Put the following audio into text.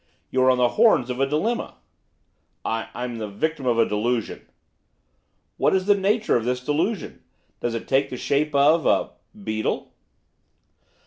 You're on the horns of a dilemma.' 'I I'm the victim of a delusion.' 'What is the nature of the delusion? Does it take the shape of a beetle?